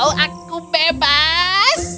au aku bebas